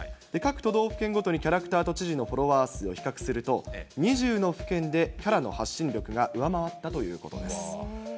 各都道府県ごとにキャラクターと知事のフォロワー数を比較すると、２０の府県でキャラの発信力が上回ったということです。